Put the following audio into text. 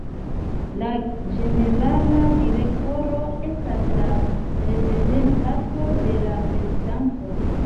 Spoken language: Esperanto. La ĝenerala direktoro estas la reprezentanto de la prezidanto.